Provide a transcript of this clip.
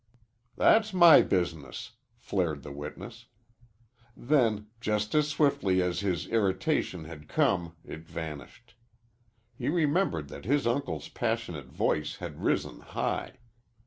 "That's my business," flared the witness. Then, just as swiftly as his irritation had come it vanished. He remembered that his uncle's passionate voice had risen high.